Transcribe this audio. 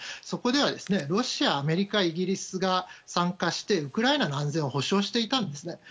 そこではロシア、アメリカイギリスが参加してウクライナの安全を保障していたんですね。